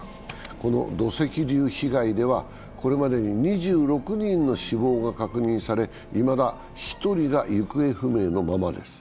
この土石流被害では、これまでに２６人の死亡が確認され、いまだ１人が行方不明のままです。